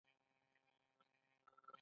موږ ټول د کارکوونکو په وضعیت باندې پوهیږو.